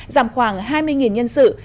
giảm khoảng hai mươi nhân sự